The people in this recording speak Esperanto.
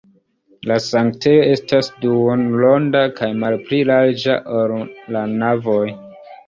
La sanktejo estas duonronda kaj malpli larĝa, ol la navoj.